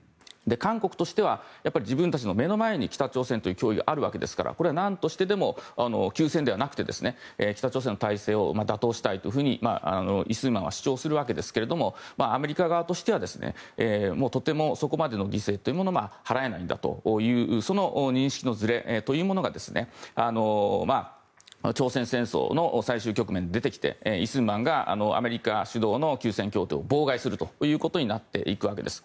韓国としては自分たちの目の前に北朝鮮という脅威があるわけですからこれは何としてでも休戦ではなくて北朝鮮の体制を打倒したいと李承晩は主張するわけですがアメリカ側としてはとてもそこまでの犠牲というものが払えないんだというその認識のずれというものが朝鮮戦争の最終局面で出てきて李承晩がアメリカ主導の休戦協定を妨害するということになっていくわけです。